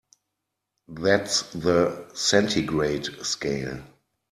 That's the centigrade scale.